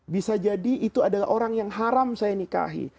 bisa jadi itu adalah orang yang haram saya nikahi